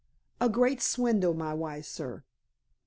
"A great swindle, my wise sir.